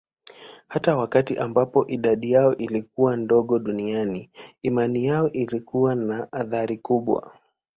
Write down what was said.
Hata wakati ambapo idadi yao ilikuwa ndogo duniani, imani yao ilikuwa na athira kubwa.